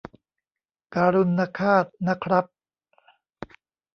การุณฆาต นะครับ